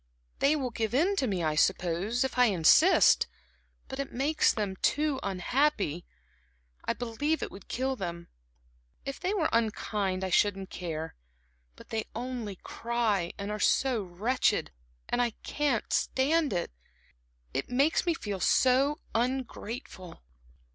"They will give in to me, I suppose, if I insist; but it makes them too unhappy. I believe it would kill them. If they were unkind, I shouldn't care; but they only cry, and are so wretched, and I can't stand it. It makes me feel so ungrateful."